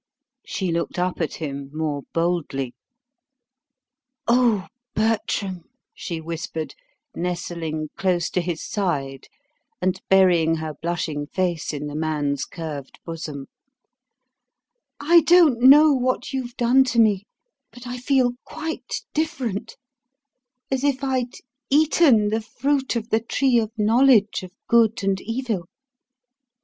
She looked up at him more boldly. "O Bertram," she whispered, nestling close to his side, and burying her blushing face in the man's curved bosom, "I don't know what you've done to me, but I feel quite different as if I'd eaten the fruit of the tree of knowledge of good and evil."